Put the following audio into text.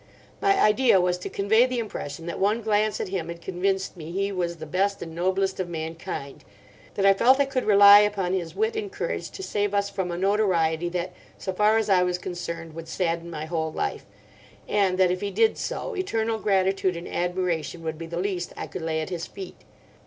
My idea was to convey the impression that one glance at him had convinced me he was the best and noblest of mankind; that I felt I could rely upon his wit and courage to save us from a notoriety that, so far as I was concerned, would sadden my whole life; and that if he did so eternal gratitude and admiration would be the least I could lay at his feet.